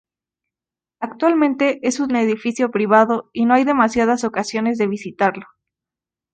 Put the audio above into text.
Actualmente, es un edificio privado y no hay demasiadas ocasiones de visitarlo.